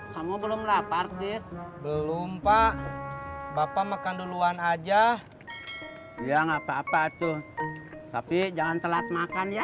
kamu belum rapat belum pak bapak makan duluan aja ya nggak papa tuh tapi jangan telat makan ya